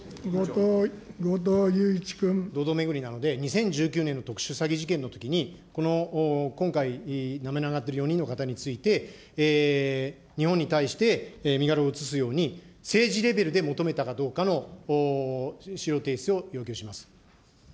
堂々巡りなので、２０１９年の特殊詐欺事件のときに、この今回、名前が挙がっている４人の方について、日本に対して身柄を移すように、政治レベルで求めたかどうかの資料提出を要求します。